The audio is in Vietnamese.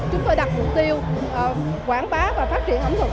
chúng tôi đặt mục tiêu quảng bá và phát triển ẩm thực